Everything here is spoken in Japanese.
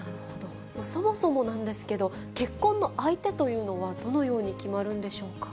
そもそもなんですけど、結婚の相手というのは、どのように決まるんでしょうか。